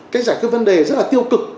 cách giải cứu vấn đề rất là tiêu cực